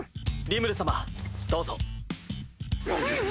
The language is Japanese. リムル様どうぞ。